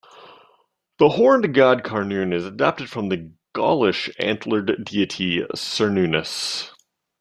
The Horned God, Carnun, is adapted from the Gaulish antlered deity Cernunnos.